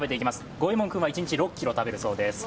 ゴエモン君は一日６ｋｇ食べるそうです。